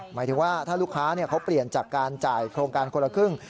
หมายถึงว่าถ้าลูกค้าเขาเปลี่ยนจากการจ่ายโครงการคนละครึ่ง